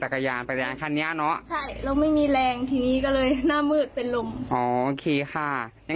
หมอบอกว่าเกี่ยวกับอะไรมั้ยหมอได้พูดอะไรมั้ย